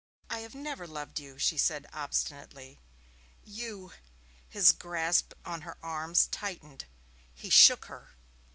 'I have never loved you,' she said obstinately. 'You !' His grasp on her arms tightened. He shook her.